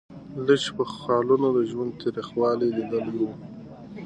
لښتې په خالونو د ژوند تریخوالی لیدلی و.